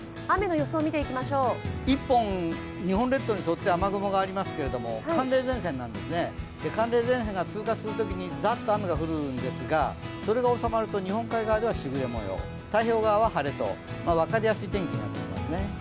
一本日本列島に沿って雨雲がありますけど寒冷前線なんですね、寒冷前線が通過するときにザッと雨が降るんですがそれが収まると日本海側ではしぐれもよう、太平洋側は晴れと、分かりやすい天気になってきますね。